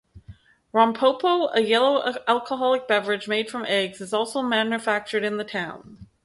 Rompopo, a yellow alcoholic beverage made from eggs, is also manufactured in the town.